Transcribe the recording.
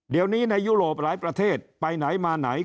เดี๋ยวนี้ในยุโรปหลายประเทศไปไหนมาไหน